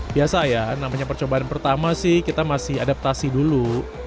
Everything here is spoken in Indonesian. biasa ya namanya percobaan pertama sih kita masih adaptasi dulu